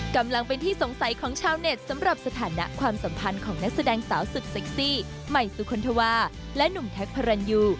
กำลังเป็นที่สงสัยของชาวเน็ตสำหรับสถานะความสัมพันธ์ของนักแสดงสาวสุดเซ็กซี่ใหม่สุคลธวาและหนุ่มแท็กพระรันยู